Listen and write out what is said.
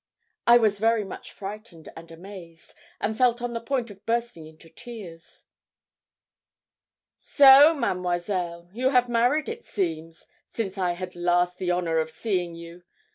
I was very much frightened and amazed, and felt on the point of bursting into tears. 'So, Mademoiselle, you have married, it seems, since I had last the honour of seeing you?